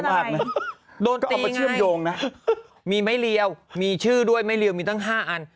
โดนตีไงมีไม่เลี่ยวมีชื่อด้วยไม่เลี่ยวมีทั้ง๕อันมีไม่เลี่ยวมีชื่อด้วยไม่เลี่ยวมีทั้ง๕อัน